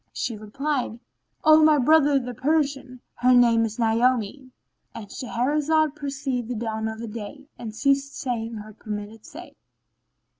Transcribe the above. She replied, "O my brother the Persian,[FN#14] her name is Naomi."— And Shahrazad perceived the dawn of day and ceased saying her permitted say.